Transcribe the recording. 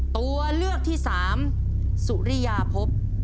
ตัวเลือกที่สามสุริยาพบ